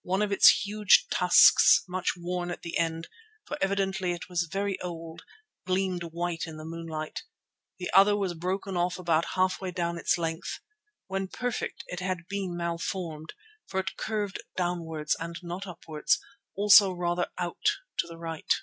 One of its huge tusks, much worn at the end, for evidently it was very old, gleamed white in the moonlight. The other was broken off about halfway down its length. When perfect it had been malformed, for it curved downwards and not upwards, also rather out to the right.